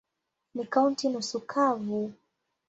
Ni kaunti nusu kavu.